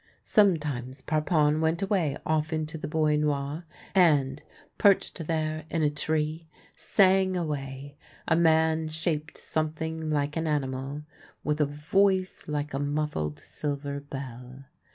Sometimes Parpon went away ofif into the Bois Noir, and, perched there in a tree, sang away — a man, shaped something like an animal, with a voice like a muffled silver bell.